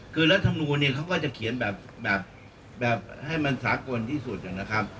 คือรัฐมนูลเนี่ยเขาก็จะเขียนแบบให้มันสากลที่สุดนะครับ